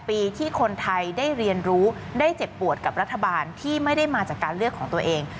ปีที่คนไทยได้เรียนรู้ได้เจ็บปวดกับรัฐบาลที่ไม่ได้มาจากการเลือกของตัวเอง